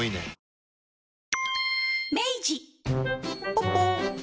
ポッポー。